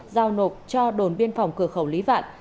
giao nộp cho đồn biên phòng cửa khẩu lý vạn